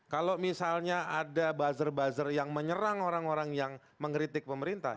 kalau misalnya ada buzzer buzzer yang menyerang orang orang yang mengkritik pemerintah